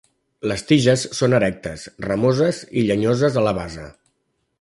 Les tiges són erectes, ramoses i llenyoses a la base.